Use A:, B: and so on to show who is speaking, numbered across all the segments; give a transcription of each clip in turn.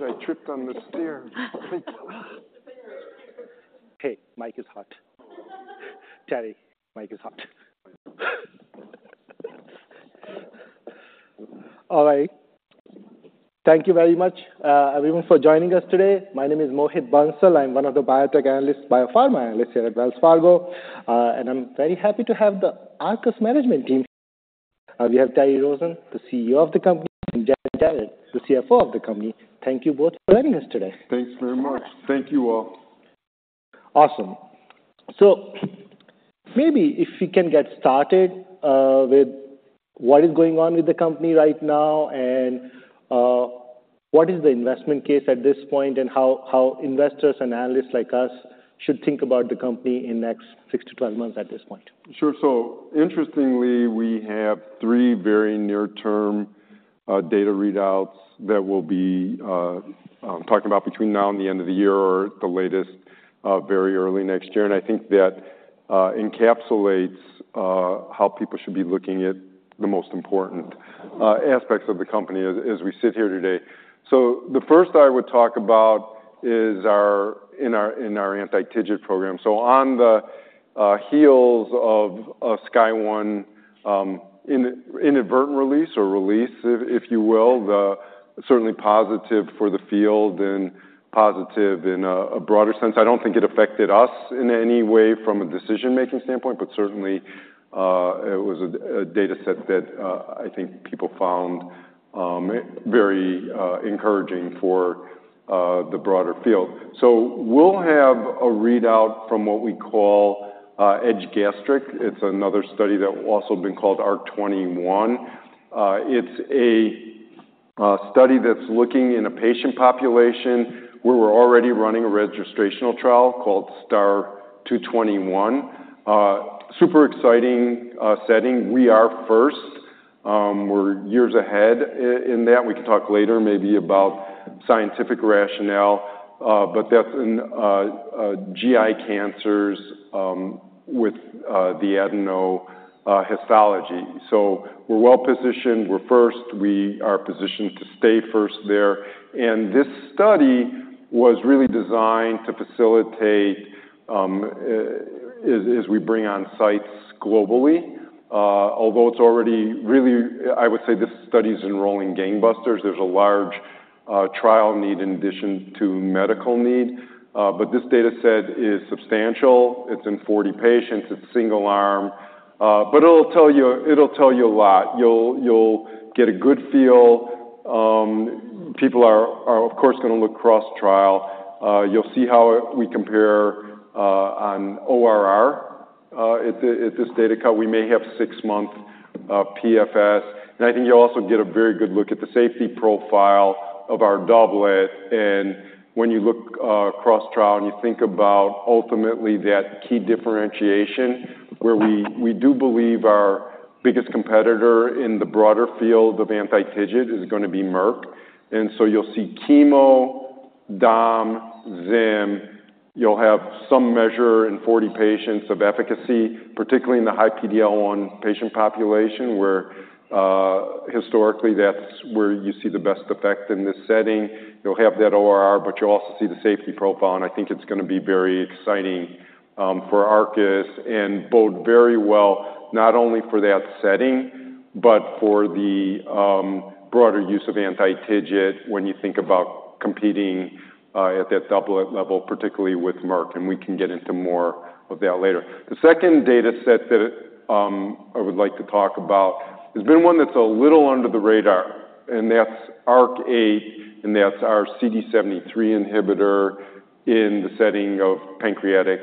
A: I tripped on the stair.
B: Hey, mic is hot. Terry, mic is hot. All right. Thank you very much, everyone, for joining us today. My name is Mohit Bansal. I'm one of the biotech analysts, biopharma analysts here at Wells Fargo. And I'm very happy to have the Arcus Management team. We have Terry Rosen, the CEO of the company, and Jennifer Jarrett, the CFO of the company. Thank you both for joining us today.
A: Thanks very much. Thank you, all.
B: Awesome. So maybe if we can get started with what is going on with the company right now, and what is the investment case at this point, and how investors and analysts like us should think about the company in next 6-12 months at this point?
A: Sure. So interestingly, we have three very near-term data readouts that we'll be talking about between now and the end of the year or the latest very early next year. And I think that encapsulates how people should be looking at the most important aspects of the company as we sit here today. So the first I would talk about is in our anti-TIGIT program. So on the heels of a SKYSCRAPER-01 inadvertent release or release, if you will, the certainly positive for the field and positive in a broader sense. I don't think it affected us in any way from a decision-making standpoint, but certainly it was a data set that I think people found very encouraging for the broader field. So we'll have a readout from what we call, EDGE-Gastric. It's another study that will also been called ARC-21. It's a study that's looking in a patient population, where we're already running a registrational trial called STAR-221. Super exciting setting. We are first. We're years ahead in that. We can talk later maybe about scientific rationale, but that's in GI cancers, with the adenocarcinoma histology. So we're well positioned. We're first. We are positioned to stay first there. And this study was really designed to facilitate, as we bring on sites globally, although it's already really. I would say, this study is enrolling gangbusters. There's a large, trial need in addition to medical need, but this data set is substantial. It's in 40 patients. It's single arm, but it'll tell you, it'll tell you a lot. You'll, you'll get a good feel. People are, are of course, gonna look cross-trial. You'll see how we compare on ORR at the, at this data cut. We may have six months of PFS, and I think you'll also get a very good look at the safety profile of our doublet. And when you look cross-trial, and you think about ultimately that key differentiation, where we, we do believe our biggest competitor in the broader field of anti-TIGIT is gonna be Merck. And so you'll see chemo, Dom, Zim. You'll have some measure in 40 patients of efficacy, particularly in the high PD-L1 patient population, where historically, that's where you see the best effect in this setting. You'll have that ORR, but you'll also see the safety profile, and I think it's gonna be very exciting for Arcus and bode very well, not only for that setting but for the broader use of anti-TIGIT when you think about competing at that doublet level, particularly with Merck, and we can get into more of that later. The second data set that I would like to talk about has been one that's a little under the radar, and that's ARC-8, and that's our CD73 inhibitor in the setting of pancreatic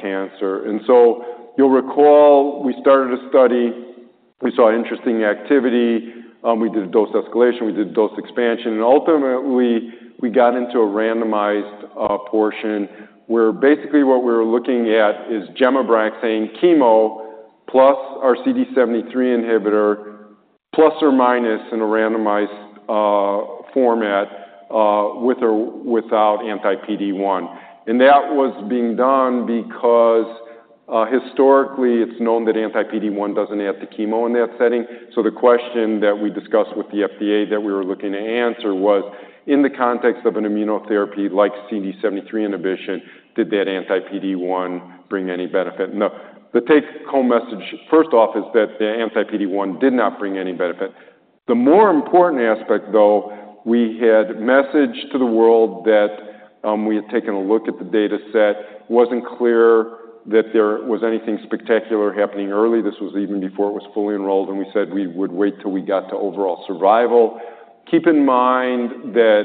A: cancer. And so you'll recall, we started a study. We saw interesting activity. We did a dose escalation, we did dose expansion, and ultimately, we got into a randomized portion, where basically what we were looking at is Gem/Abraxane chemo plus our CD73 inhibitor, plus or minus in a randomized format, with or without anti-PD-1. And that was being done because historically, it's known that anti-PD-1 doesn't add to chemo in that setting. So the question that we discussed with the FDA that we were looking to answer was: In the context of an immunotherapy like CD73 inhibition, did that anti-PD-1 bring any benefit? Now, the take-home message, first off, is that the anti-PD-1 did not bring any benefit. The more important aspect, though, we had messaged to the world that we had taken a look at the data set. Wasn't clear that there was anything spectacular happening early. This was even before it was fully enrolled, and we said we would wait till we got to overall survival. Keep in mind that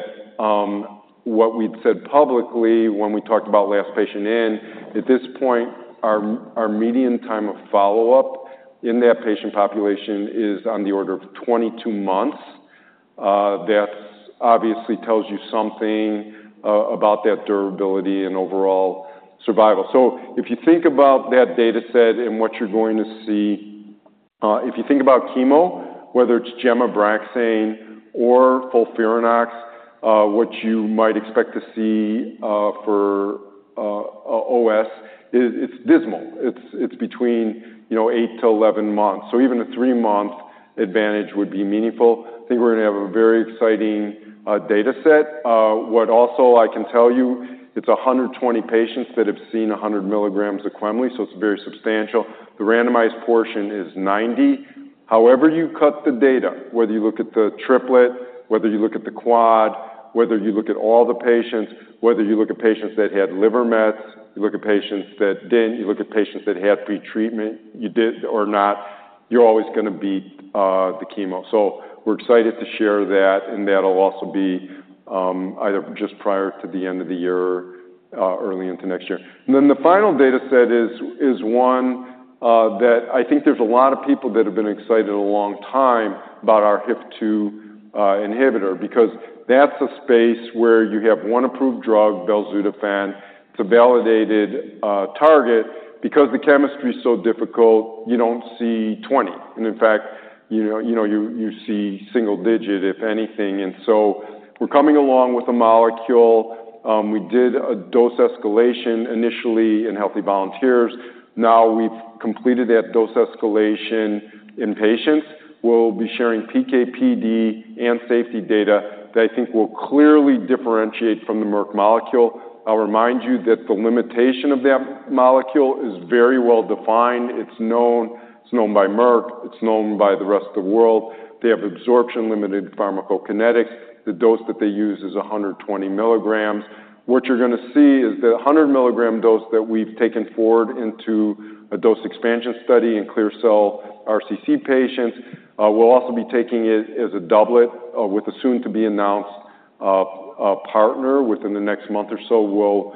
A: what we'd said publicly when we talked about last patient in, at this point, our median time of follow-up in that patient population is on the order of 22 months. That's obviously tells you something about that durability and overall survival. So if you think about chemo, whether it's Gem/Abraxane or FOLFIRINOX, what you might expect to see for OS is it's dismal. It's between, you know, 8-11 months. So even a three-month advantage would be meaningful. I think we're gonna have a very exciting data set. What also I can tell you, it's 120 patients that have seen 100 milligrams of Quemli, so it's very substantial. The randomized portion is 90. However, you cut the data, whether you look at the triplet, whether you look at the quad, whether you look at all the patients, whether you look at patients that had liver mets, you look at patients that didn't, you look at patients that had pretreatment, you did or not, you're always gonna beat the chemo. So we're excited to share that, and that'll also be either just prior to the end of the year or early into next year. And then the final data set is one that I think there's a lot of people that have been excited a long time about our HIF-2α inhibitor, because that's a space where you have one approved drug, belzutifan. It's a validated target. Because the chemistry is so difficult, you don't see 20, and in fact, you know, you see single digit, if anything. And so we're coming along with a molecule. We did a dose escalation initially in healthy volunteers. Now we've completed that dose escalation in patients. We'll be sharing PK/PD and safety data that I think will clearly differentiate from the Merck molecule. I'll remind you that the limitation of that molecule is very well defined. It's known by Merck, it's known by the rest of the world. They have absorption-limited pharmacokinetics. The dose that they use is 120 milligrams. What you're gonna see is the 100-milligram dose that we've taken forward into a dose expansion study in clear cell RCC patients. We'll also be taking it as a doublet, with a soon-to-be-announced partner. Within the next month or so, we'll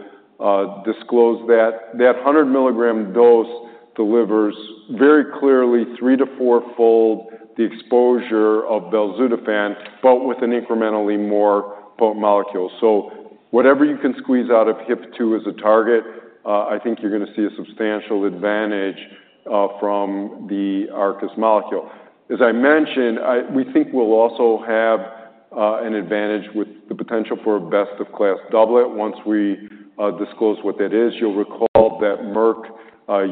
A: disclose that. That 100-milligram dose delivers very clearly three- to four-fold the exposure of belzutifan, but with an incrementally more potent molecule. So whatever you can squeeze out of HIF-2α as a target, I think you're gonna see a substantial advantage, from the Arcus molecule. As I mentioned, we think we'll also have, an advantage with the potential for a best-in-class doublet once we, disclose what that is. You'll recall that Merck,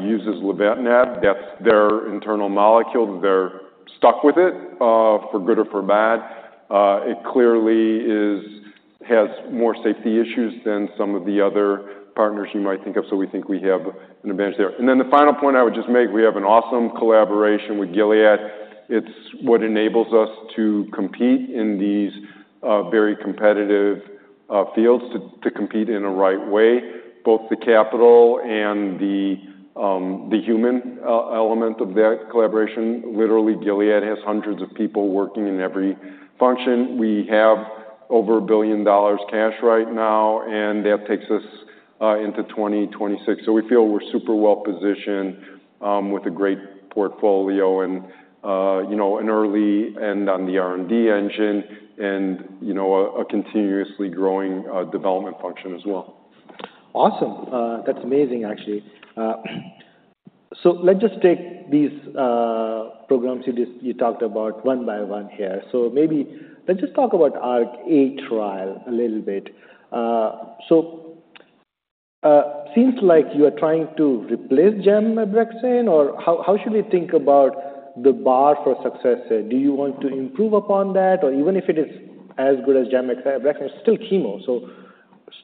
A: uses lenvatinib. That's their internal molecule, and they're stuck with it for good or for bad. It clearly has more safety issues than some of the other partners you might think of, so we think we have an advantage there. And then the final point I would just make, we have an awesome collaboration with Gilead. It's what enables us to compete in these very competitive fields, to compete in a right way, both the capital and the human element of that collaboration. Literally, Gilead has hundreds of people working in every function. We have over $1 billion cash right now, and that takes us into 2026. We feel we're super well-positioned, with a great portfolio and, you know, an early end on the R&D engine and, you know, a continuously growing development function as well.
B: Awesome. That's amazing, actually. So let's just take these programs you just, you talked about one by one here. So maybe let's just talk about ARC-8 trial a little bit. So, seems like you are trying to replace Gem/Abraxane, or how should we think about the bar for success? Do you want to improve upon that? Or even if it is as good as Gem/Abraxane, it's still chemo, so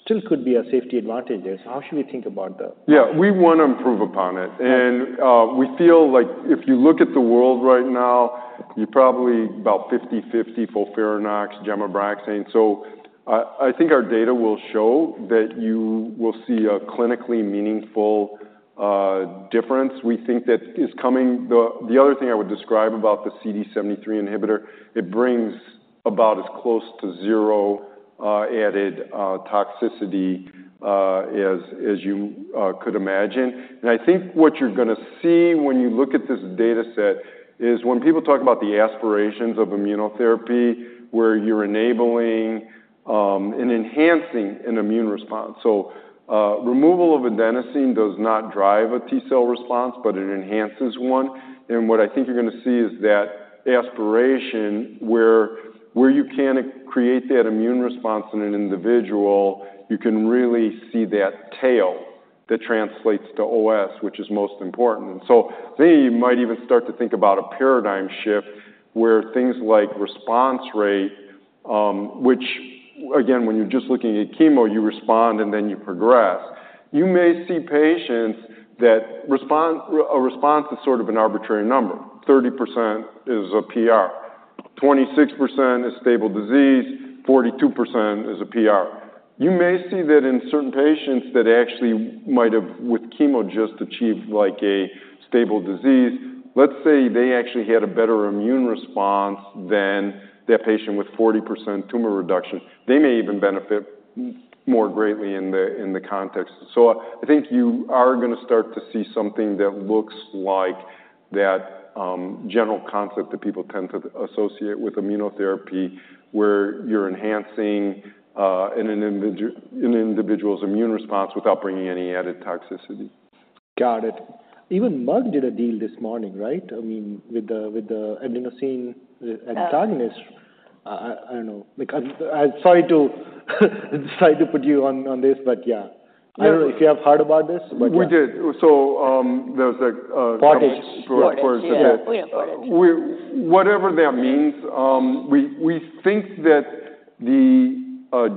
B: still could be a safety advantage there. So how should we think about that?
A: Yeah, we wanna improve upon it. We feel like if you look at the world right now, you're probably about 50/50 FOLFIRINOX, Gem/Abraxane. So I think our data will show that you will see a clinically meaningful difference. We think that is coming, the other thing I would describe about the CD73 inhibitor, it brings about as close to zero added toxicity as you could imagine. And I think what you're gonna see when you look at this data set is when people talk about the aspirations of immunotherapy, where you're enabling and enhancing an immune response. So, removal of adenosine does not drive a T cell response, but it enhances one. And what I think you're gonna see is that aspiration, where you can create that immune response in an individual, you can really see that tail that translates to OS, which is most important. And so then you might even start to think about a paradigm shift, where things like response rate, which again, when you're just looking at chemo, you respond, and then you progress. You may see patients that respond. A response is sort of an arbitrary number. 30% is a PR, 26% is stable disease, 42% is a PR. You may see that in certain patients that actually might have, with chemo, just achieved like a stable disease. Let's say they actually had a better immune response than that patient with 40% tumor reduction. They may even benefit more greatly in the context. So I think you are gonna start to see something that looks like that, general concept that people tend to associate with immunotherapy, where you're enhancing an individual's immune response without bringing any added toxicity.
B: Got it. Even Merck did a deal this morning, right? I mean, with the adenosine antagonist. I don't know. Like, I'm sorry to put you on this, but yeah. I don't know if you have heard about this, but.
A: We did. So, there was like.
B: Portage.
C: Portage, yes. Yeah, we imported.
A: Whatever that means, we think that the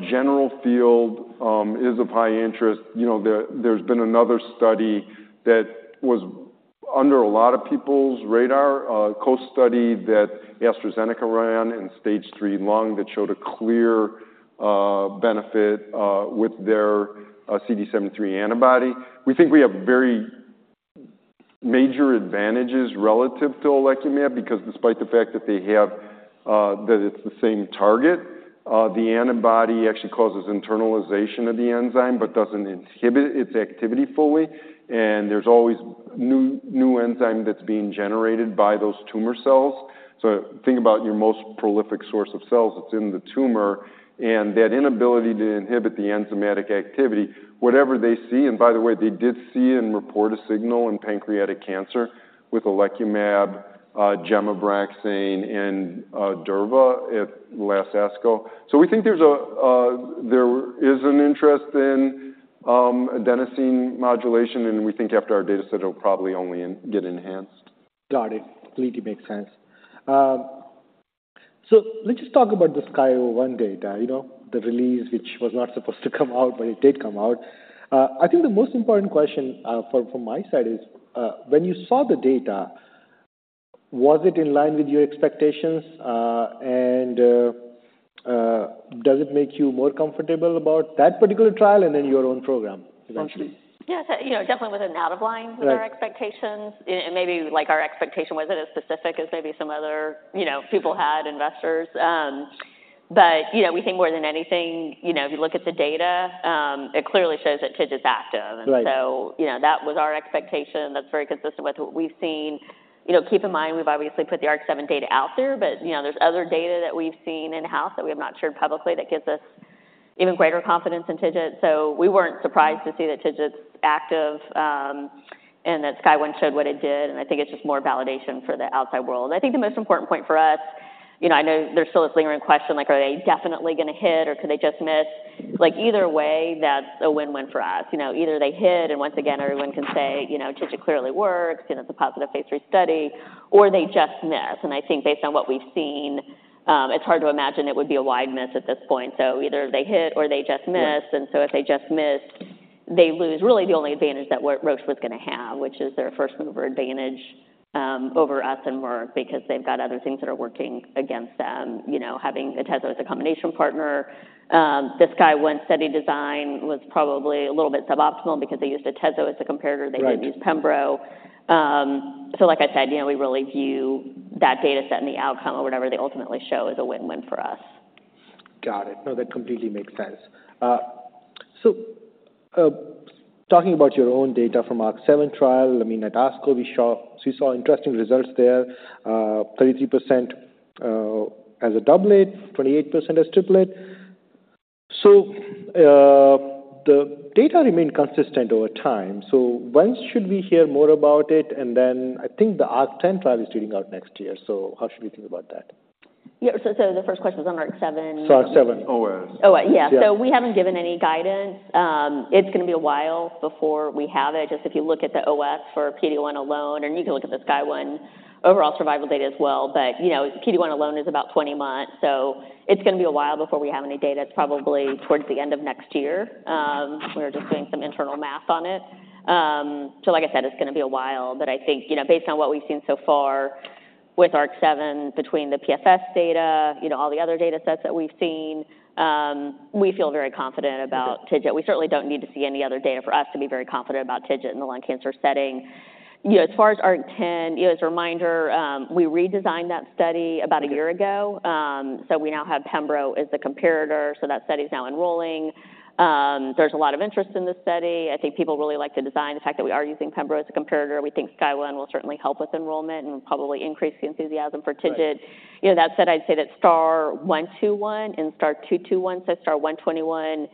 A: general field is of high interest. You know, there's been another study that was under a lot of people's radar, a co-study that AstraZeneca ran in stage three lung, that showed a clear benefit with their CD73 antibody. We think we have very major advantages relative to oleclumab because despite the fact that they have that it's the same target, the antibody actually causes internalization of the enzyme but doesn't inhibit its activity fully, and there's always new enzyme that's being generated by those tumor cells. So think about your most prolific source of cells, it's in the tumor, and that inability to inhibit the enzymatic activity, whatever they see. And by the way, they did see and report a signal in pancreatic cancer with oleclumab, gem/abraxane, and durva at last ASCO. So we think there's an interest in adenosine modulation, and we think after our data set, it'll probably get enhanced.
B: Got it. Completely makes sense. So let's just talk about the SKYSCRAPER-01 data, you know, the release, which was not supposed to come out, but it did come out. I think the most important question from my side is, when you saw the data, was it in line with your expectations? And does it make you more comfortable about that particular trial and then your own program essentially?
C: Yes. You know, definitely wasn't out of line.
B: Right
C: With our expectations. And maybe, like, our expectation wasn't as specific as maybe some other, you know, people had, investors. But, you know, we think more than anything, you know, if you look at the data, it clearly shows that TIGIT is active.
B: Right.
C: So, you know, that was our expectation. That's very consistent with what we've seen. You know, keep in mind, we've obviously put the ARC-7 data out there, but, you know, there's other data that we've seen in-house that we have not shared publicly that gives us even greater confidence in TIGIT. So we weren't surprised to see that TIGIT's active, and that Sky One showed what it did, and I think it's just more validation for the outside world. I think the most important point for us, you know, I know there's still this lingering question, like, are they definitely gonna hit or could they just miss? Like, either way, that's a win-win for us. You know, either they hit, and once again, everyone can say, you know, TIGIT clearly works, and it's a positive phase III study, or they just miss. I think based on what we've seen, it's hard to imagine it would be a wide miss at this point. So either they hit or they just miss.
B: Right.
C: If they just miss, they lose really the only advantage that Roche was gonna have, which is their first-mover advantage over us and Merck, because they've got other things that are working against them. You know, having the Tecentriq as a combination partner, the SKYSCRAPER-01 study design was probably a little bit suboptimal because they used Atezo as a comparator.
B: Right.
C: They didn't use Pembro. So like I said, you know, we really view that data set and the outcome or whatever they ultimately show is a win-win for us.
B: Got it. No, that completely makes sense. So, talking about your own data from ARC-7 trial, I mean, at ASCO, we saw, we saw interesting results there. 33%, as a doublet, 28% as triplet. So, the data remained consistent over time. So when should we hear more about it? And then I think the ARC-10 trial is turning out next year, so how should we think about that?
C: Yeah, so the first question was on ARC-7?
B: So ARC-7. OS.
C: OS, yeah.
B: Yes.
C: So we haven't given any guidance. It's gonna be a while before we have it. Just if you look at the OS for PD-1 alone, and you can look at the SKYSCRAPER-01 overall survival data as well. But, you know, PD-1 alone is about 20 months, so it's gonna be a while before we have any data. It's probably towards the end of next year. We're just doing some internal math on it. So like I said, it's gonna be a while, but I think, you know, based on what we've seen so far with ARC-7, between the PFS data, you know, all the other data sets that we've seen, we feel very confident about TIGIT. We certainly don't need to see any other data for us to be very confident about TIGIT in the lung cancer setting. You know, as far as ARC-10, you know, as a reminder, we redesigned that study about a year ago.
B: Right.
C: So we now have Pembro as the comparator, so that study is now enrolling. There's a lot of interest in this study. I think people really like the design. The fact that we are using Pembro as a comparator, we think SKYSCRAPER-01 will certainly help with enrollment and probably increase the enthusiasm for TIGIT.
B: Right.
C: You know, that said, I'd say that STAR-121 and STAR-221, so STAR-121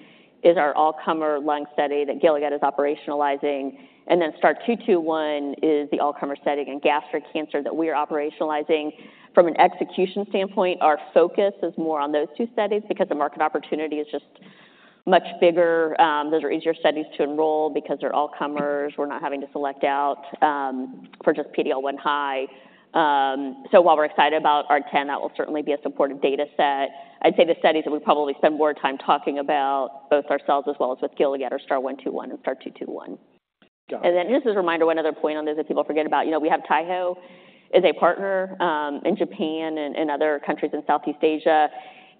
C: is our all-comer lung study that Gilead is operationalizing, and then STAR-221 is the all-comer setting in gastric cancer that we are operationalizing. From an execution standpoint, our focus is more on those two studies because the market opportunity is just much bigger. Those are easier studies to enroll because they're all-comers. We're not having to select out for just PD-L1 high. So while we're excited about ARC-10, that will certainly be a supportive data set. I'd say the studies that we probably spend more time talking about, both ourselves as well as with Gilead, are STAR-121 and STAR-221.
B: Got it.
C: And then just as a reminder, one other point on this that people forget about, you know, we have Taiho as a partner in Japan and other countries in Southeast Asia,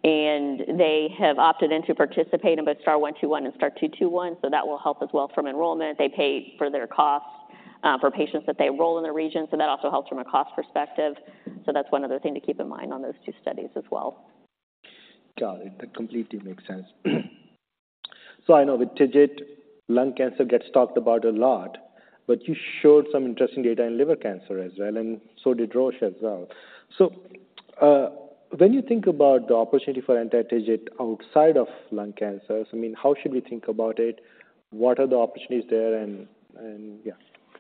C: and they have opted in to participate in both STAR-121 and STAR-221, so that will help as well from enrollment. They pay for their costs for patients that they enroll in the region, so that also helps from a cost perspective. So that's one other thing to keep in mind on those two studies as well.
B: Got it. That completely makes sense. So I know with TIGIT, lung cancer gets talked about a lot, but you showed some interesting data in liver cancer as well, and so did Roche as well. When you think about the opportunity for anti-TIGIT outside of lung cancers, I mean, how should we think about it? What are the opportunities there? And, and, yeah.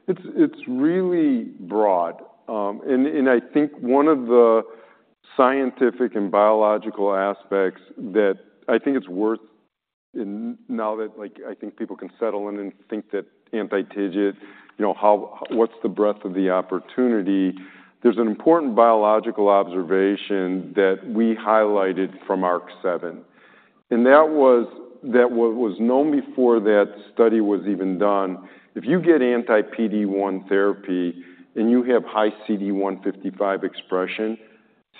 A: It's really broad. And I think one of the scientific and biological aspects that I think it's worth, and now that, like, I think people can settle in and think that anti-TIGIT, you know, how, what's the breadth of the opportunity? There's an important biological observation that we highlighted from ARC-7, and that was that what was known before that study was even done, if you get anti-PD-1 therapy and you have high CD155 expression,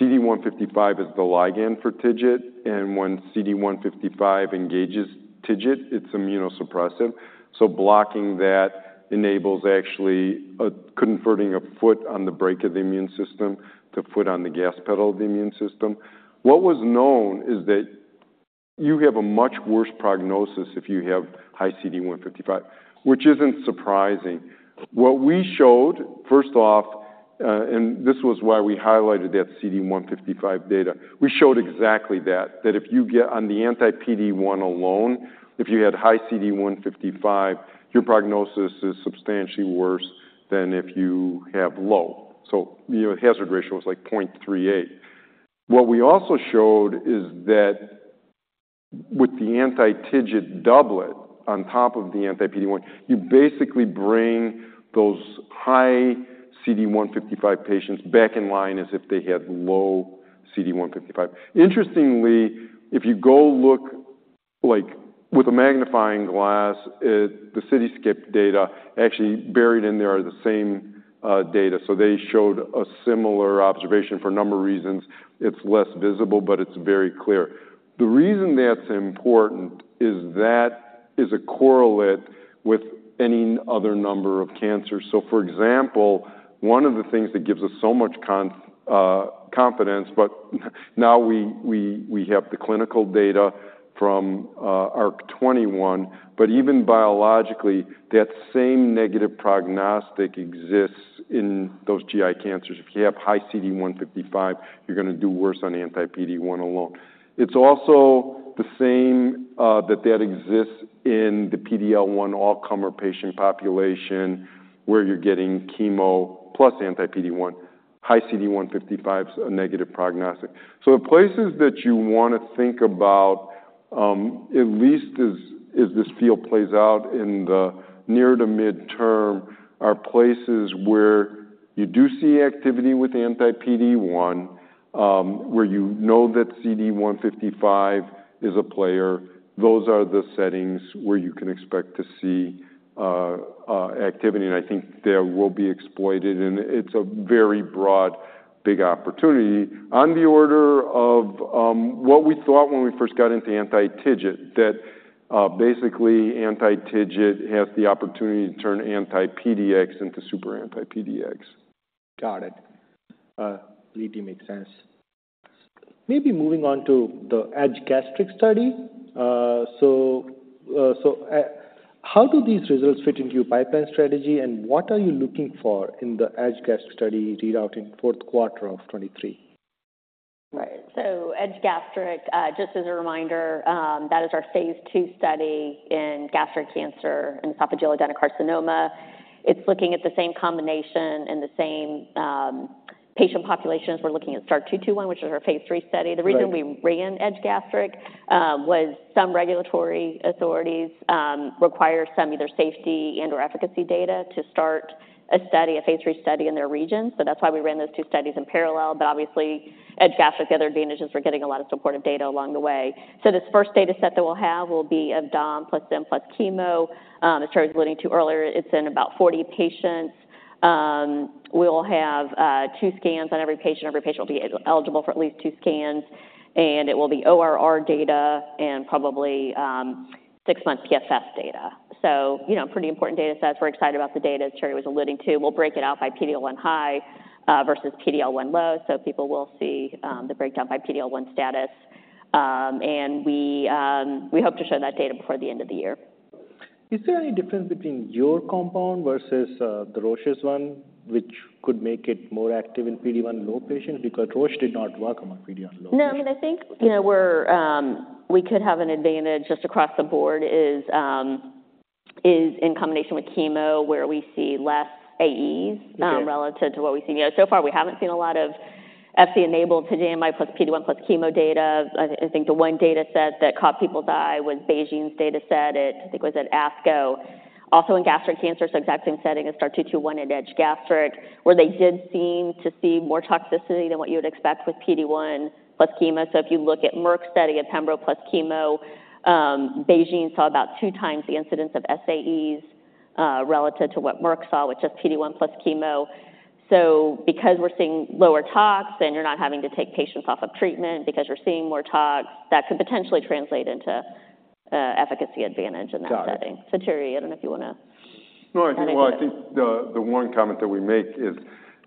A: CD155 is the ligand for TIGIT, and when CD155 engages TIGIT, it's immunosuppressive. So blocking that enables actually converting a foot on the brake of the immune system to foot on the gas pedal of the immune system. What was known is that you have a much worse prognosis if you have high CD155, which isn't surprising. What we showed, first off, and this was why we highlighted that CD155 data, we showed exactly that, that if you get on the anti-PD-1 alone, if you had high CD155, your prognosis is substantially worse than if you have low. So your hazard ratio is, like, 0.38. What we also showed is that with the anti-TIGIT doublet on top of the anti-PD-1, you basically bring those high CD155 patients back in line as if they had low CD155. Interestingly, if you go look, like, with a magnifying glass at the CITYSCAPE data, actually buried in there are the same data. So they showed a similar observation. For a number of reasons, it's less visible, but it's very clear. The reason that's important is that is a correlate with any other number of cancers. So for example, one of the things that gives us so much confidence, but now we have the clinical data from ARC-21, but even biologically, that same negative prognostic exists in those GI cancers. If you have high CD155, you're gonna do worse on anti-PD-1 alone. It's also the same that exists in the PD-L1 all-comer patient population, where you're getting chemo plus anti-PD-1. High CD155 is a negative prognostic. So the places that you want to think about, at least as this field plays out in the near to mid-term, are places where you do see activity with anti-PD-1, where you know that CD155 is a player. Those are the settings where you can expect to see activity, and I think that will be exploited, and it's a very broad, big opportunity on the order of what we thought when we first got into anti-TIGIT, that basically anti-TIGIT has the opportunity to turn anti-PD-1 into super anti-PD-1.
B: Got it. Completely makes sense. Maybe moving on to the EDGE-Gastric study. So, how do these results fit into your pipeline strategy, and what are you looking for in the EDGE-Gastric study read out in Q4 of 2023?
C: Right. So EDGE-Gastric, just as a reminder, that is our phase II study in gastric cancer and esophageal adenocarcinoma. It's looking at the same combination and the same, patient population as we're looking at STAR-221, which is our phase III study.
B: Right.
C: The reason we ran EDGE-Gastric was some regulatory authorities require some either safety and/or efficacy data to start a study, a phase III study in their region. So that's why we ran those two studies in parallel. But obviously EDGE-Gastric, the other advantage, is we're getting a lot of supportive data along the way. So this first data set that we'll have will be of Dom plus Zim, plus chemo. As Terry was alluding to earlier, it's in about 40 patients. We'll have two scans on every patient. Every patient will be eligible for at least two scans, and it will be ORR data and probably six months PFS data. So, you know, pretty important data sets. We're excited about the data, as Terry was alluding to. We'll break it out by PD-L1 high versus PD-L1 low, so people will see the breakdown by PD-L1 status. We hope to show that data before the end of the year.
B: Is there any difference between your compound versus the Roche's one, which could make it more active in PD-1 low patients? Because Roche did not work on my PD-1 low.
C: No, I mean, I think, you know, we could have an advantage just across the board is in combination with chemo, where we see less AEs.
B: Okay
C: Relative to what we've seen yet. So far, we haven't seen a lot of Fc-enabled TIGIT plus PD-1 plus chemo data. I think the one data set that caught people's eye was BeiGene's data set at, I think it was at ASCO, also in gastric cancer. So exact same setting as STAR-221 at EDGE-Gastric, where they did seem to see more toxicity than what you would expect with PD-1 plus chemo. So if you look at Merck's study of Pembro plus chemo, BeiGene saw about two times the incidence of SAEs, relative to what Merck saw with just PD-1 plus chemo. So because we're seeing lower tox and you're not having to take patients off of treatment because you're seeing more tox, that could potentially translate into an efficacy advantage in that.
B: Got it.
C: So, Terry, I don't know if you want to add anything?
A: No, I think, well, I think the one comment that we make is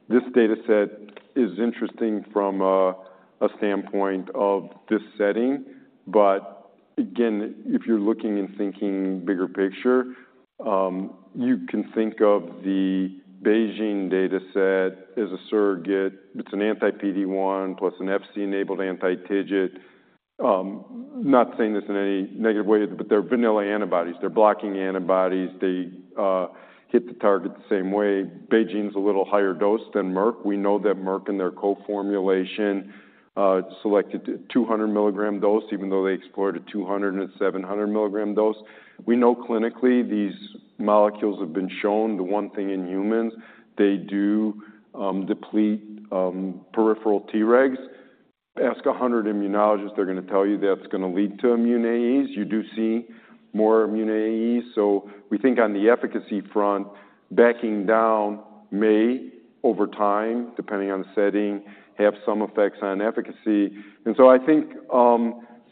A: this data set is interesting from a standpoint of this setting, but. Again, if you're looking and thinking bigger picture, you can think of the BeiGene data set as a surrogate. It's an anti-PD-1 plus an Fc-enabled anti-TIGIT. Not saying this in any negative way, but they're vanilla antibodies. They're blocking antibodies. They hit the target the same way. BeiGene's a little higher dose than Merck. We know that Merck, in their co-formulation, selected a 200 milligram dose, even though they explored a 200 and 700 milligram dose. We know clinically, these molecules have been shown, the one thing in humans, they do deplete peripheral T-regs. Ask 100 immunologists, they're gonna tell you that's gonna lead to immune AEs. You do see more immune AEs, so we think on the efficacy front, backing down may, over time, depending on the setting, have some effects on efficacy. And so I think,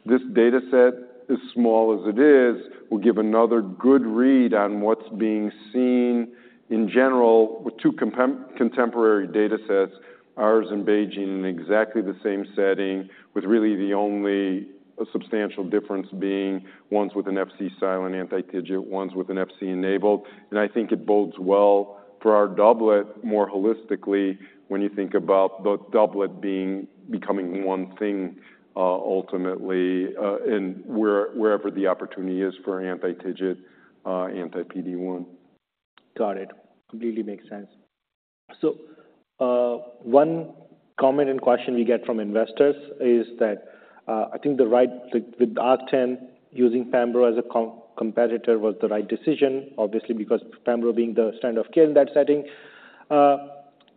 A: this data set, as small as it is, will give another good read on what's being seen in general with two contemporary datasets, ours and BeiGene, in exactly the same setting, with really the only substantial difference being one's with an Fc-silent anti-TIGIT, one's with an Fc-enabled. And I think it bodes well for our doublet more holistically, when you think about the doublet being, becoming one thing, ultimately, and wherever the opportunity is for anti-TIGIT, anti-PD-1.
B: Got it. Completely makes sense. So, one comment and question we get from investors is that, I think the right—the ARC-10 using pembro as a competitor was the right decision, obviously, because pembro being the standard of care in that setting.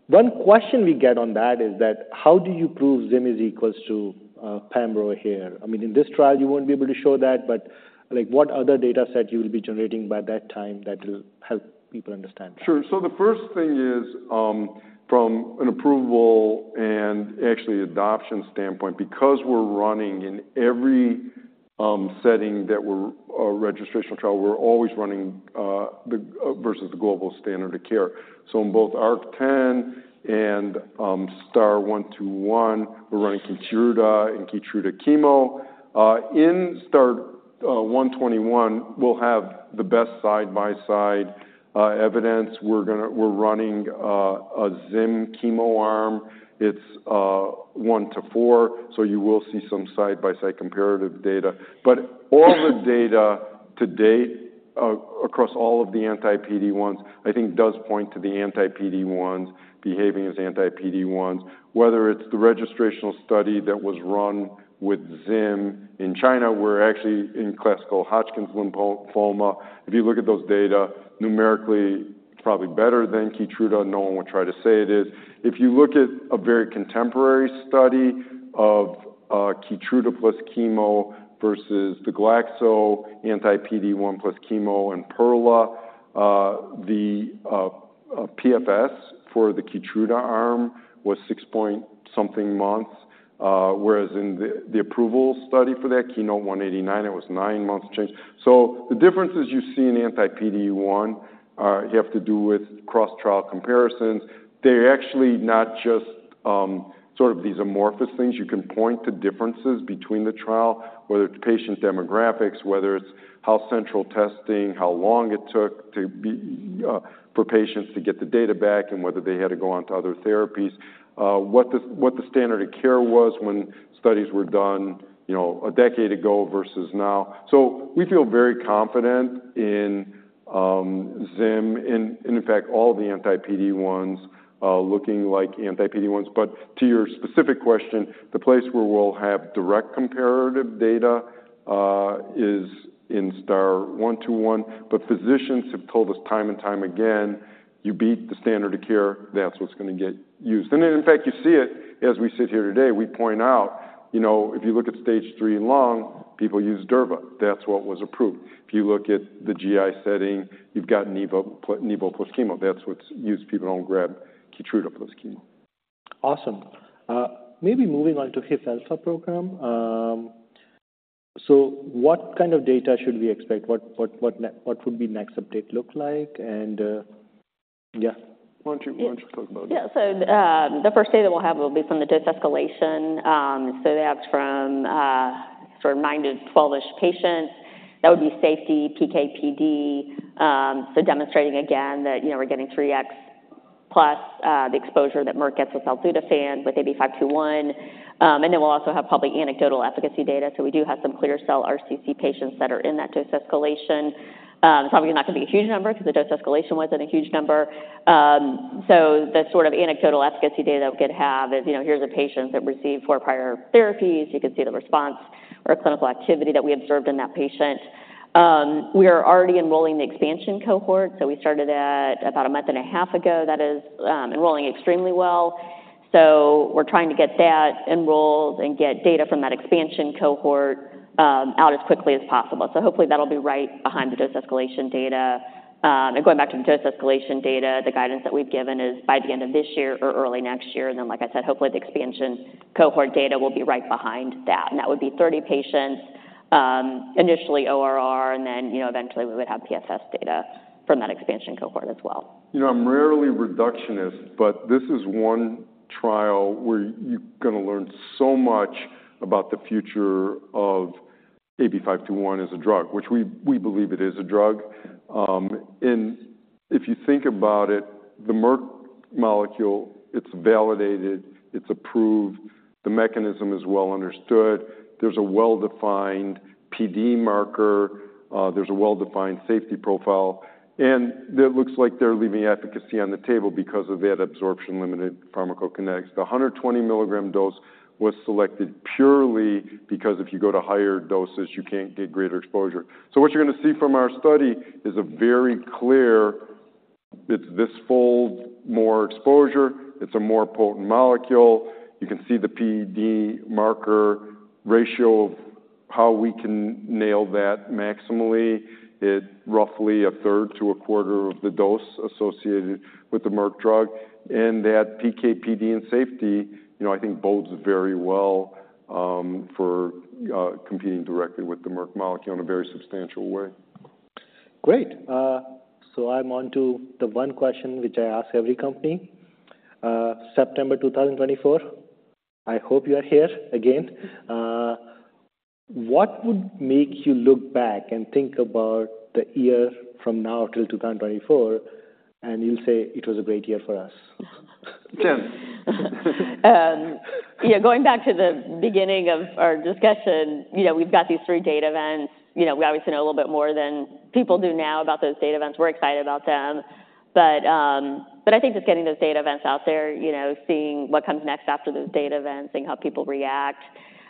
B: One question we get on that is that: how do you prove Zim is equal to pembro here? I mean, in this trial, you won't be able to show that, but, like, what other data set you'll be generating by that time that will help people understand?
A: Sure. So the first thing is, from an approval and actually adoption standpoint, because we're running in every setting that we're a registrational trial, we're always running versus the global standard of care. So in both ARC-10 and STAR-121, we're running Keytruda and Keytruda chemo. In STAR-121, we'll have the best side-by-side evidence. We're running a Zim chemo arm. It's 1 to 4, so you will see some side-by-side comparative data. But all the data to date across all of the anti-PD-1s, I think, does point to the anti-PD-1s behaving as anti-PD-1s. Whether it's the registrational study that was run with Zim in China, where actually in classical Hodgkin's lymphoma, if you look at those data, numerically, probably better than Keytruda. No one would try to say it is. If you look at a very contemporary study of Keytruda plus chemo versus the Glaxo anti-PD-1 plus chemo and PERLA, PFS for the Keytruda arm was 6-point-something months, whereas in the approval study for that, KEYNOTE-189, it was nine months change. So the differences you see in anti-PD-1 have to do with cross-trial comparisons. They're actually not just sort of these amorphous things. You can point to differences between the trial, whether it's patient demographics, whether it's how central testing, how long it took to be for patients to get the data back, and whether they had to go on to other therapies, what the standard of care was when studies were done, you know, a decade ago versus now. So we feel very confident in Zim, and in fact, all the anti-PD-1s looking like anti-PD-1s. But to your specific question, the place where we'll have direct comparative data is in STAR-121. But physicians have told us time and time again, "You beat the standard of care, that's what's gonna get used." And in fact, you see it as we sit here today. We point out, you know, if you look at stage three lung, people use Durva. That's what was approved. If you look at the GI setting, you've got Nivo, Nivo plus chemo. That's what's used. People don't grab Keytruda plus chemo.
B: Awesome. Maybe moving on to HIF-alpha program. So what kind of data should we expect? What would be next update look like? And yeah.
A: Why don't you talk about it?
C: Yeah. So the first data that we'll have will be from the de-escalation. So that's from sort of nine to 12-ish patients. That would be safety, PK/PD. So demonstrating again that, you know, we're getting 3x plus the exposure that Merck gets with belzutifan with AB521. And then we'll also have probably anecdotal efficacy data, so we do have some clear cell RCC patients that are in that dose escalation. It's probably not gonna be a huge number because the dose escalation wasn't a huge number. So the sort of anecdotal efficacy data that we could have is, you know, here's a patient that received four prior therapies. You can see the response or clinical activity that we observed in that patient. We are already enrolling the expansion cohort, so we started that about a month and a half ago. That is enrolling extremely well. So we're trying to get that enrolled and get data from that expansion cohort out as quickly as possible. So hopefully, that'll be right behind the dose escalation data. And going back to the dose escalation data, the guidance that we've given is by the end of this year or early next year, and then, like I said, hopefully, the expansion cohort data will be right behind that. And that would be 30 patients, initially ORR, and then, you know, eventually, we would have PFS data from that expansion cohort as well.
A: You know, I'm rarely reductionist, but this is one trial where you're gonna learn so much about the future of AB521 as a drug, which we, we believe it is a drug. And if you think about it, the Merck molecule, it's validated, it's approved, the mechanism is well understood. There's a well-defined PD marker, there's a well-defined safety profile, and it looks like they're leaving efficacy on the table because of that absorption-limited pharmacokinetics. The 120 milligram dose was selected purely because if you go to higher doses, you can't get greater exposure. So what you're gonna see from our study is a very clear, it's this fold, more exposure, it's a more potent molecule. You can see the PD marker ratio of how we can nail that maximally. It's roughly a third to a quarter of the dose associated with the Merck drug, and that PK, PD, and safety, you know, I think bodes very well for competing directly with the Merck molecule in a very substantial way.
B: Great. So I'm on to the one question which I ask every company. September 2024, I hope you are here again. What would make you look back and think about the year from now till 2024, and you'll say, "It was a great year for us?
A: Jen.
C: Yeah, going back to the beginning of our discussion, you know, we've got these three data events. You know, we obviously know a little bit more than people do now about those data events. We're excited about them, but I think just getting those data events out there, you know, seeing what comes next after those data events, seeing how people react.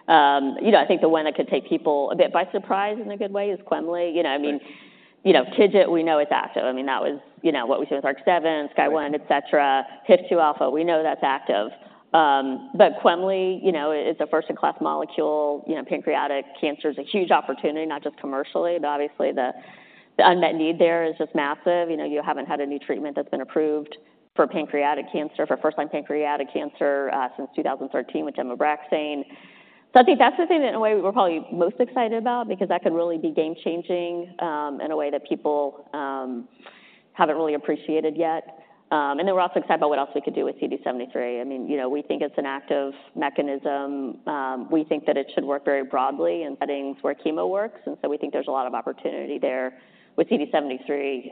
C: You know, I think the one that could take people a bit by surprise in a good way is quemli. You know, I mean.
B: Right.
C: You know, TIGIT, we know it's active. I mean, that was, you know, what we see with ARC-7, SKYSCRAPER-01-
B: Right
C: Et cetera. HIF-2α, we know that's active. But Quemli, you know, is a first-in-class molecule. You know, pancreatic cancer is a huge opportunity, not just commercially, but obviously, the unmet need there is just massive. You know, you haven't had a new treatment that's been approved for pancreatic cancer, for first-line pancreatic cancer, since 2013 with Abraxane. So I think that's the thing that, in a way, we're probably most excited about because that could really be game-changing, in a way that people haven't really appreciated yet. And then we're also excited about what else we could do with CD73. I mean, you know, we think it's an active mechanism. We think that it should work very broadly in settings where chemo works, and so we think there's a lot of opportunity there with CD73,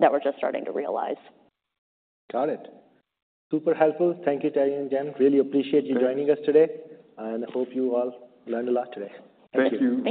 C: that we're just starting to realize.
B: Got it. Super helpful. Thank you, Terry and Jen. Really appreciate you joining us today, and I hope you all learned a lot today.
A: Thank you.